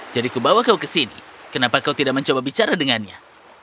jadi kubawa kau ke sini kenapa kau tidak mencoba bicara dengannya